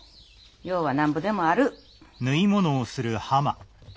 用はなんぼでもある。